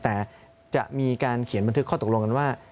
แต่จะมีการเขียนบันทึกข้อตกลงกันว่า